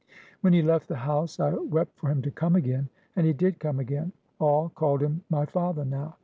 "When he left the house I wept for him to come again. And he did come again. All called him my father now.